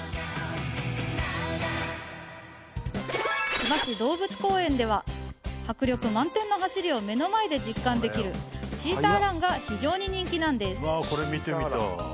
千葉市動物公園では迫力満点の走りを目の前で実感できるチーターランが非常に人気なんです